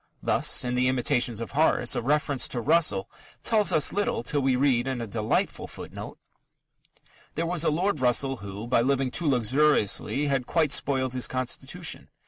Thus, in the Imitations of Horace, a reference to Russell tells us little till we read in a delightful footnote: There was a Lord Russell who, by living too luxuriously, had quite spoiled his constitution.